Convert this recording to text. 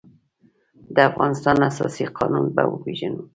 د افغانستان اساسي قانون به وپېژنو.